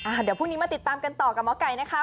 เดี๋ยวพรุ่งนี้มาติดตามกันต่อกับหมอไก่นะคะ